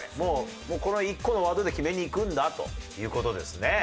もうこの１個のワードで決めにいくんだという事ですね。